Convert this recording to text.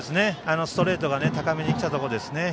ストレートが高めにきたところですね。